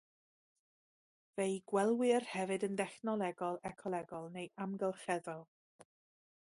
Fe'i gelwir hefyd yn dechnoleg ecolegol neu amgylcheddol.